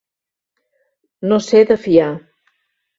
No ser de fiar.